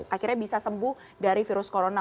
akhirnya bisa sembuh dari virus corona